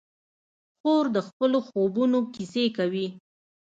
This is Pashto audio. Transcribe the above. خور د خپلو خوبونو کیسې کوي.